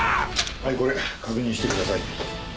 はいこれ確認してください。